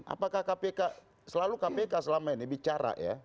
apakah kpk selalu kpk selama ini bicara ya